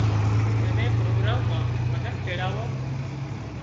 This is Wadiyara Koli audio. تمين پروگرام مان منک تيڙاوو